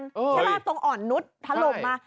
เจ้าลาตรงอ่อนนุษย์ทะลมมา